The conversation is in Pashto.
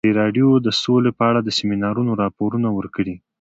ازادي راډیو د سوله په اړه د سیمینارونو راپورونه ورکړي.